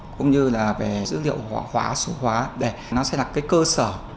cũng như là về dữ liệu hóa số hóa để nó sẽ là cái cơ sở